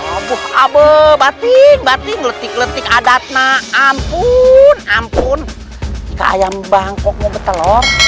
abu abu batin batin letih letih adat na ampun ampun kayak bangkok betul